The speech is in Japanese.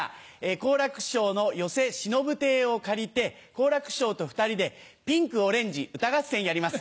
好楽師匠の寄席しのぶ亭を借りて、好楽師匠と２人で、ピンクオレンジ歌合戦やります。